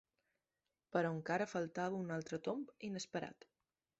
Però encara faltava un altre tomb inesperat.